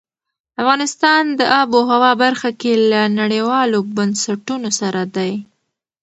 افغانستان د آب وهوا برخه کې له نړیوالو بنسټونو سره دی.